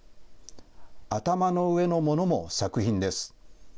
頭の上のものも作品です。